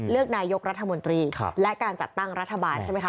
เลือกนายกรัฐมนตรีและการจัดตั้งรัฐบาลใช่ไหมค